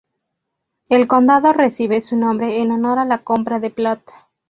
El condado recibe su nombre en honor a la compra de Platte.